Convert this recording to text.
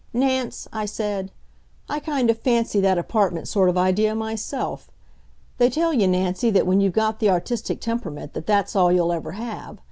"Nance," I said, "I kind of fancy that apartment sort of idea myself. They tell you, Nancy, that when you've got the artistic temperament, that that's all you'll ever have.